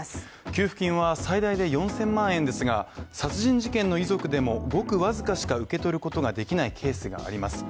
給付金は最大で４０００万円ですが、殺人事件の遺族でもごくわずかしか受け取ることができないケースがあります。